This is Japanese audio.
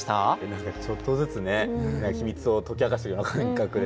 なんかちょっとずつね秘密を解き明かしてるような感覚でね。